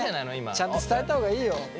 ちゃんと伝えた方がいいよ！